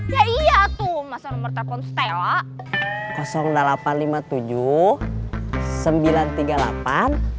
ya iya tuh masa nomor telepon stella